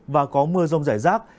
và có mưa rông rải rác